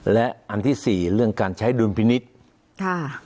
และอันที่สี่เรื่องการใช้ดุลพินิษฐ์ค่ะ